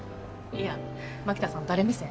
いや槙田さん誰目線？